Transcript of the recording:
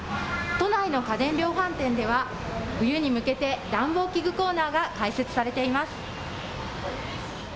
都内の家電量販店では、冬に向けて暖房器具コーナーが開設されています。